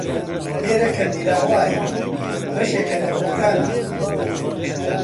ئێرەکە میراوایە بەشێکە لە بۆکانە